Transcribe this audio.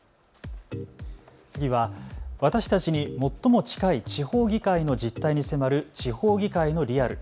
次は私たちに最も近い地方議会の実態に迫る地方議会のリアル。